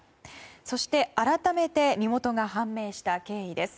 そして改めて身元が判明した経緯です。